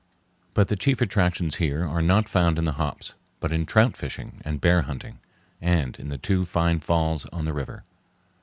But the chief attractions here are not found in the hops, but in trout fishing and bear hunting, and in the two fine falls on the river.